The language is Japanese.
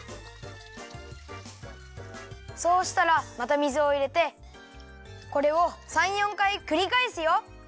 そうしたらまた水をいれてこれを３４かいくりかえすよ。